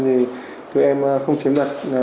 thì tụi em không chiếm đặt